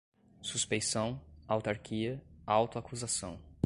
suspeição, autarquia, auto-acusação